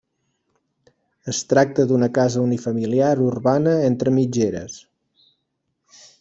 Es tracta d'una casa unifamiliar urbana entre mitgeres.